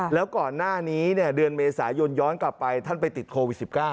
แล้วก่อนหน้านี้เดือนเมษายนย้อนกลับไปท่านไปติดโควิด๑๙